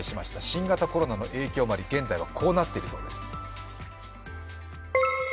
新型コロナの影響もあり、現在はこうなっているそうです。